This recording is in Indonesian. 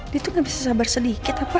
dia tuh gak bisa sabar sedikit apa